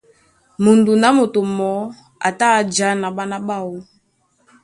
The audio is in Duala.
Mudun a moto mɔɔ́ a tá a jǎ na ɓána ɓáō.